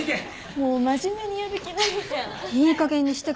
もう真面目にやる気ないじゃん。